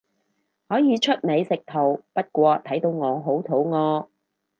可以出美食圖，不過睇到我好肚餓